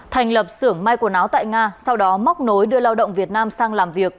thành lập xưởng may quần áo tại nga sau đó móc nối đưa lao động việt nam sang làm việc